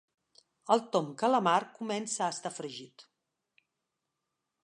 El Tom calamar comença a estar fregit.